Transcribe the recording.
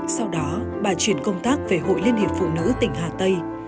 sau đó bà chuyển công tác về hội liên hiệp phụ nữ tỉnh hà tây